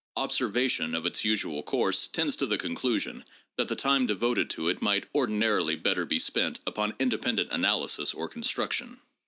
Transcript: Observation of its usual course tends to the conclusion that the time devoted to it might ordinarily better be spent upon independent analysis or construction.